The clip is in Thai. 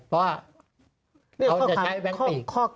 เพราะว่าเขาจะใช้แบงค์ปีก